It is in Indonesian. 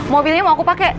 mobilnya mau aku pakai